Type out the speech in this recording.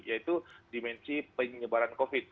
yaitu dimensi penyebaran covid